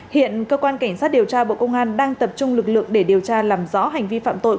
hiện cơ quan cảnh sát điều tra bộ công an đang tập trung lực lượng để điều tra làm rõ hành vi phạm tội